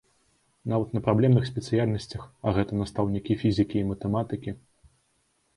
Нават на праблемных спецыяльнасцях, а гэта настаўнікі фізікі і матэматыкі.